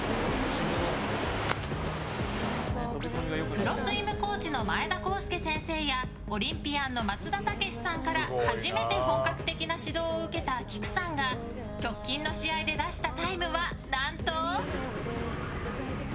プロスイムコーチの前田康輔先生や、オリンピアンの松田丈志さんから初めて本格的な指導を受けたきくさんが、直近の試合で出したタイムは何と。